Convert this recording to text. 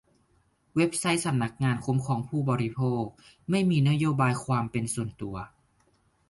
เว็บไซต์สำนักงานคุ้มครองผู้บริโภค ไม่มีนโยบายความเป็นส่วนตัว